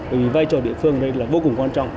vì vai trò địa phương đây là vô cùng quan trọng